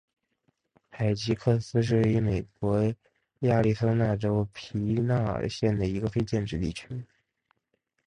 海吉克斯是位于美国亚利桑那州皮纳尔县的一个非建制地区。